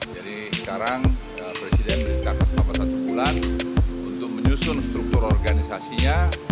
jadi sekarang presiden beritahu saya pada satu bulan untuk menyusun struktur organisasinya